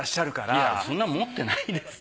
いやそんな持ってないですって。